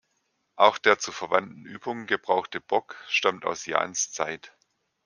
Auch der zu verwandten Übungen gebrauchte Bock stammt aus Jahns Zeit.